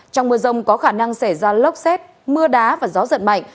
trong mưa rông có khả năng xảy ra lốc xét mưa đá và gió giật mạnh